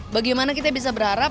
bagaimana kita bisa berharap